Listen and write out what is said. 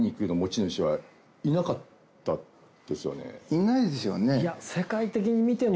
「いないですよね」